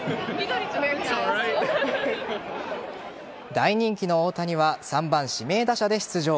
大人気の大谷は３番・指名打者で出場。